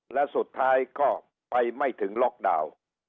และสุดท้ายก็ไปไม่ถึงล็อกดาวน์